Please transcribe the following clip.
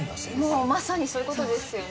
もうまさにそういう事ですよね。